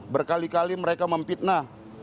berkali kali mereka mempitnah